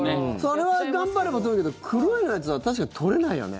それは頑張れば取れるけど黒いやつは確かに取れないよね。